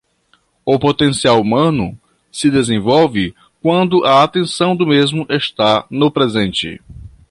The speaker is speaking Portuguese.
O potencial humano se desenvolve quando a atenção do mesmo está no presente